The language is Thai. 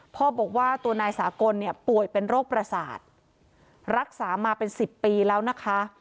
พ่อบอกว่าตัวนายสากลเนี่ยป่วยเป็นโรคประสาทรักษามาเป็นสิบปีแล้วนะคะ